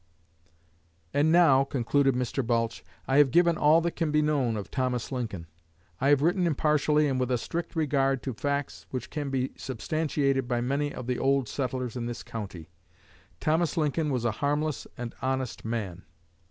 "And now," concluded Mr. Balch, "I have given all that can be known of Thomas Lincoln. I have written impartially and with a strict regard to facts which can be substantiated by many of the old settlers in this county. Thomas Lincoln was a harmless and honest man.